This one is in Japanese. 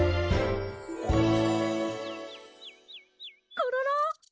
コロロ！